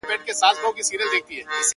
چي تابه وكړې راته ښې خبري,